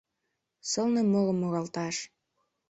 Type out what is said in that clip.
Сылне мурым муралташ.